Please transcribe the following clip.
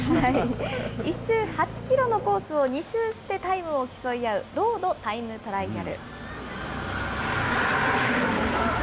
１周８キロのコースを２周してタイムを競い合う、ロードタイムトライアル。